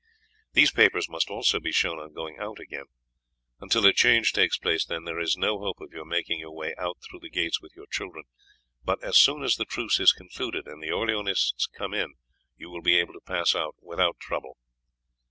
These papers must also be shown on going out again. Until a change takes place, then, there is no hope of your making your way out through the gates with your children; but as soon as the truce is concluded and the Orleanists come in you will be able to pass out without trouble."